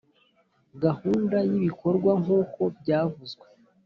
gahunda y ibikorwa nk uko byavuzwe